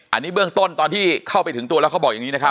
อันนี้เบื้องต้นตอนที่เข้าไปถึงตัวแล้วเขาบอกอย่างนี้นะครับ